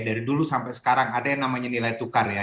dari dulu sampai sekarang ada yang namanya nilai tukar ya